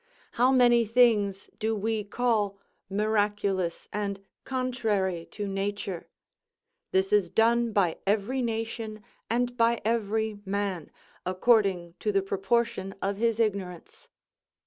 How many things do we call miraculous, and contrary to nature? This is done by every nation and by every man, according to the proportion of his ignorance.